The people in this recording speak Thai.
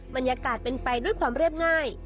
บรรยากาศเป็นไปด้วยความเรียบง่าย